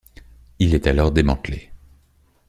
Il est alors démantelé.